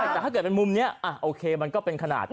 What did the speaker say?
แต่ถ้าเกิดเป็นมุมนี้โอเคมันก็เป็นขนาดนี้